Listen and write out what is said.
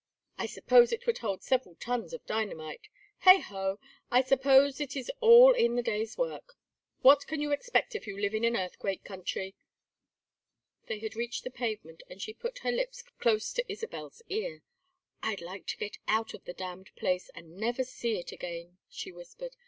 I suppose it would hold several tons of dynamite! Heigh ho, I suppose it is all in the day's work. What can you expect if you live in an earthquake country?" They had reached the pavement and she put her lips close to Isabel's ear. "I'd like to get out of the damned place and never see it again," she whispered.